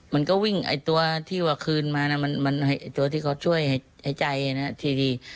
มันก็วิ่งไอ้ตัวที่ว่าคืนมานะมันตัวที่เขาช่วยหายใจนะทีวี